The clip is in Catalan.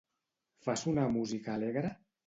Fa sonar música alegre?